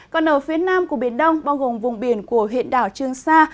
còn ở phía nam của biển đông bao gồm vùng biển của huyện đảo trương sa